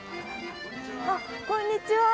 あっこんにちは！